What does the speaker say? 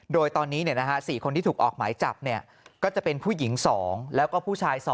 โดยตอนนี้๔คนที่ถูกออกหมายจับก็จะเป็นผู้หญิง๒แล้วก็ผู้ชาย๒